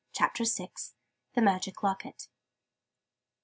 CHAPTER 6. THE MAGIC LOCKET.